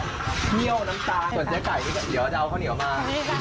เที่ยวน้ำตาลส่วนเจ๊ไก่เดี๋ยวเดาข้าวเหนียวมา